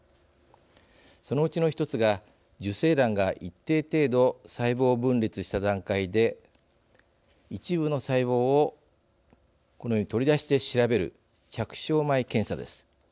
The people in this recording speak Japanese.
そのうちのひとつが受精卵が一定程度細胞分裂した段階で一部の細胞をこのように取り出して調べる着床前検査です。